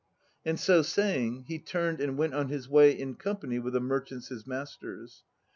And so saying he turned and went on his way in company with the merchants his masters.